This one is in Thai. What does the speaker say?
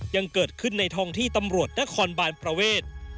ยังเกิดขึ้นในท้องที่ตำรวจนครบานประเวท